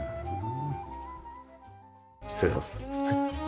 失礼します。